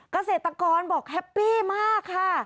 เกษตรกรบอกแฮปปี้มากค่ะ